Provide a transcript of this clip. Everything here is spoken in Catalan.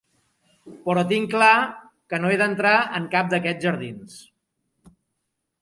Però tinc clar que no he d'entrar en cap d'aquests jardins.